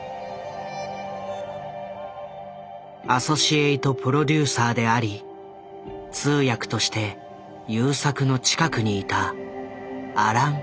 アソシエイト・プロデューサーであり通訳として優作の近くにいたアラン・プールだ。